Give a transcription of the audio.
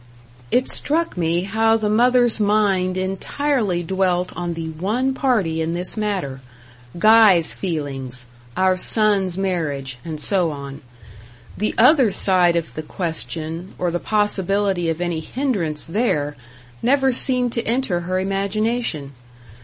It struck me how the mother's mind entirely dwelt on the one party in this matter "Guy's feelings" "Our son's marriage" and so on. The other side of the question, or the possibility of any hindrance there, never seemed to enter her imagination.